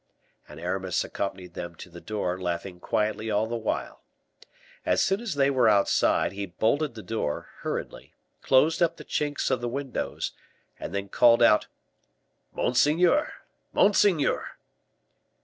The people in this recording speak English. And Aramis accompanied them to the door, laughing quietly all the while. As soon as they were outside, he bolted the door, hurriedly; closed up the chinks of the windows, and then called out, "Monseigneur! monseigneur!"